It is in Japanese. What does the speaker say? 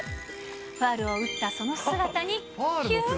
ファウルを打ったその姿にキュン。